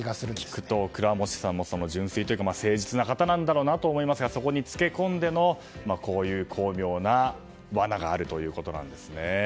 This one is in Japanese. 聞くと、クラモチさんも純粋というか誠実な方なんだろうなと思いますがそこにつけ込んでの巧妙な罠があるということなんですね。